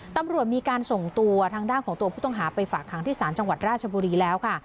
ตำรวจมีการส่งตัวทางด้านของตัวผู้ต้องหาไปฝากขังที่ศาลจังหวัดราชบุรีแล้วค่ะ